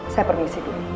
saya permisi dulu